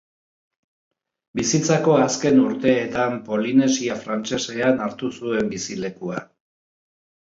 Bizitzako azken urteetan Polinesia frantsesean hartu zuen bizilekua.